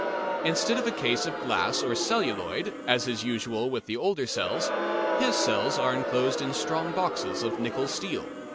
Instead of a case of glass or celluloid, as is usual with the older cells, his cells are enclosed in strong boxes of nickel steel.